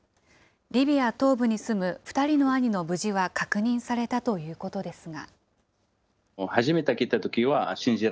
リビア東部に住む２人の兄の無事は確認されたということですが。